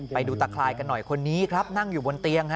ไปดูตะคลายกันหน่อยคนนี้ครับนั่งอยู่บนเตียง